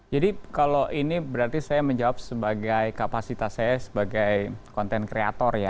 jadi kalau ini berarti saya menjawab sebagai kapasitas saya sebagai content creator ya